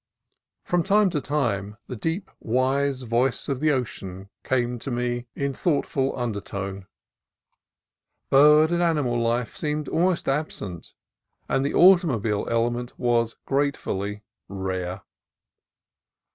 From time to time the deep, wise voice of the ocean came to me in thoughtful undertone. Bird and animal life seemed almost absent, and the automobile element was gratefully rare.